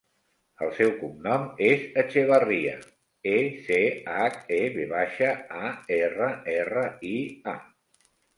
El seu cognom és Echevarria: e, ce, hac, e, ve baixa, a, erra, erra, i, a.